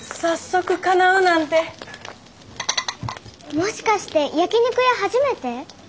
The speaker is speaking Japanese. もしかして焼き肉屋初めて？